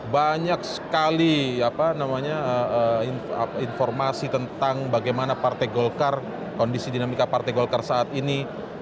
banyak sekali informasi tentang bagaimana partai golkar kondisi dinamika partai golkar saat ini